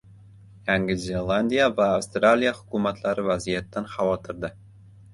Yangi Zelandiya va Avstraliya hukumatlari vaziyatdan xavotirda